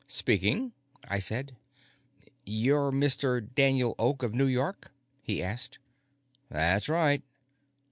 "Speaking," I said. "You're Mr. Daniel Oak, of New York?" he asked. "That's right."